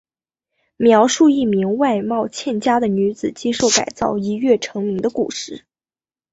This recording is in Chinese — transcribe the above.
描述一名外貌欠佳的女子接受改造一跃成名的故事。